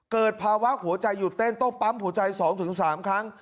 เกิดภาวะหัวใจหยุดเต้นต้องปั๊มหัวใจ๒๓ครั้ง